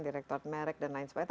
direktur merek dan lain sebagainya